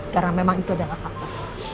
karena memang itu adalah kata